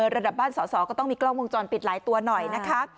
ระดับบ้านสอสอก็ต้องมีกล้องวงจรปิดหลายตัวหน่อยนะคะ